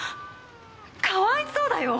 かわいそうだよ！